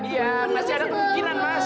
iya masih ada kemungkinan mas